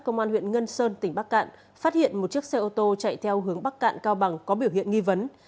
công an huyện ngân sơn tỉnh bắc cạn phát hiện một chiếc xe ô tô chạy theo hướng bắc cạn cao bằng có biểu hiện nghi vấn